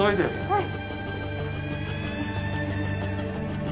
はい。